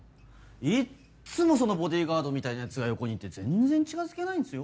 いっつもそのボディーガードみたいなヤツが横にいて全然近づけないんすよ。